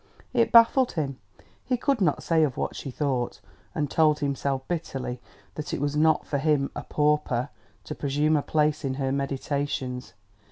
It baffled him. He could not say of what she thought; and told himself bitterly that it was not for him, a pauper, to presume a place in her meditations.